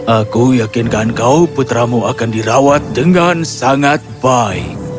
aku yakinkan kau putramu akan dirawat dengan sangat baik